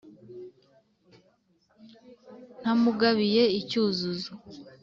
ntamugabiye icyuzuzo